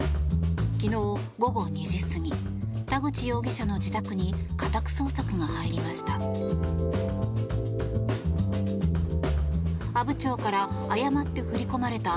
昨日午後２時過ぎ田口容疑者の自宅に家宅捜索が入りました。